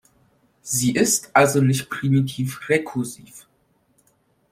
Sie ist also nicht primitiv-rekursiv.